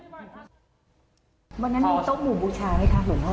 วันนั้นมีโต๊ะหมู่บูชาไหมคะหลวงพ่อ